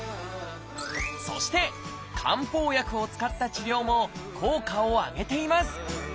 そして漢方薬を使った治療も効果をあげています。